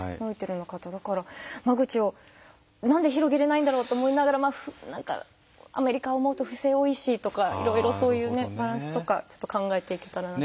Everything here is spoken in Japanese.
だから間口を何で広げれないんだろうと思いながら何かアメリカを思うと不正多いしとかいろいろそういうねバランスとかちょっと考えていけたらなって。